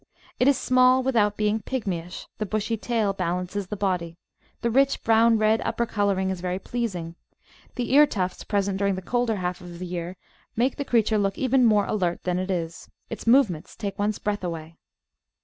It is small without being pigmyish; the bushy tail balances the body; the rich brown red upper colouring is very pleasing; the ear tufts present during the colder half of the year make the creature look even more alert than it is ; its movements take one's breath away.